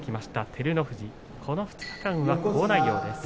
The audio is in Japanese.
照ノ富士、この２日間は好内容です。